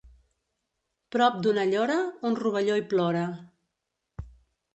Prop d'una llora, un rovelló hi plora.